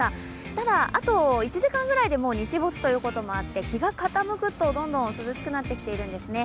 ただ、あと１時間くらいで日没ということもあって日が傾くとどんどん涼しくなってきているんですね。